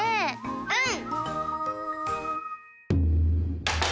うん！